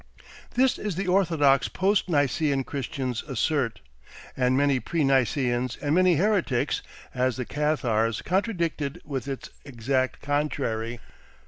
This the orthodox post Nicaean Christians assert, and many pre Nicaeans and many heretics (as the Cathars) contradicted with its exact contrary.